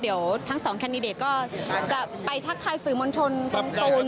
เดี๋ยวทั้งสองแคนดิเดตก็จะไปทักทายสื่อมวลชนตรงโซน